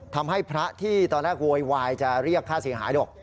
ทำให้พระที่ตอนแรกโวยวายจะเรียกค่าเสียหายหรอก